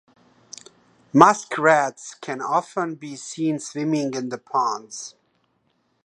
Musk Rats can often be seen swimming in the ponds.